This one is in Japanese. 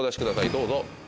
どうぞ。